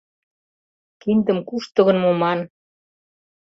Киндым кушто гын муман?